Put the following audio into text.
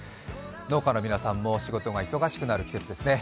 農家の皆さんも仕事が忙しくなる季節ですね。